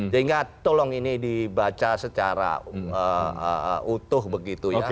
sehingga tolong ini dibaca secara utuh begitu ya